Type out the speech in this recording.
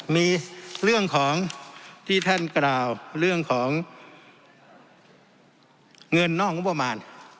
มีเรื่องของที่ท่านกล่าวเรื่องของเงินนอกงบประมาณ